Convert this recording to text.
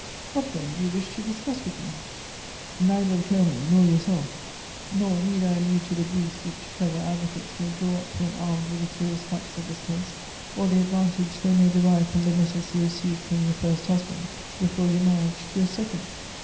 "What, then, do you wish to discuss with me?" "Neither the Colonel nor yourself. Nor need I allude to the briefs which clever advocates may draw up when armed with the curious facts of this case, or the advantage they may derive from the letters you received from your first husband before your marriage to your second."